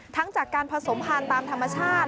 ทั้งจากการผสมผ่านตามธรรมชาติ